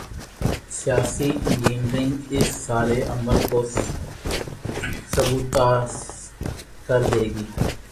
'سیاسی انجینئرنگ‘ اس سارے عمل کو سبوتاژ کر دے گی۔